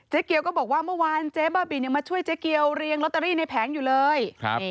เกียวก็บอกว่าเมื่อวานเจ๊บ้าบินยังมาช่วยเจ๊เกียวเรียงลอตเตอรี่ในแผงอยู่เลย